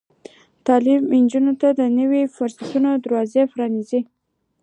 تعلیم نجونو ته د نويو فرصتونو دروازې پرانیزي.